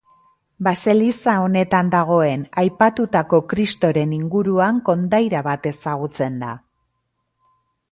Baseliza honetan dagoen aipatutako Kristoren inguruan kondaira bat ezagutzen da.